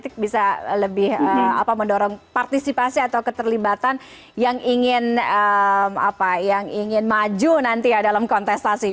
nanti bisa lebih mendorong partisipasi atau keterlibatan yang ingin maju nanti ya dalam kontestasi